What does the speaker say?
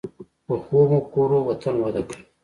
پخو مفکورو وطن وده کوي